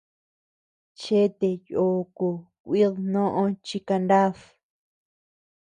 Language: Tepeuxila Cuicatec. Chete yuku kuid noʼö chi kanad.